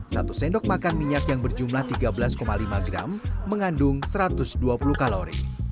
satu sendok makan minyak yang berjumlah tiga belas lima gram mengandung satu ratus dua puluh kalori